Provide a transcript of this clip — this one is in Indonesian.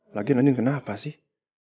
lagian andin kenapa sih